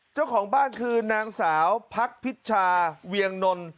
เจ้าของบ้านคือนางสาวพักพิชชาเวียงนน